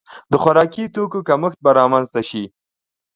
د خوراکي توکو کمښت به رامنځته شي.